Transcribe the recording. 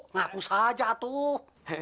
ngaku saja tuh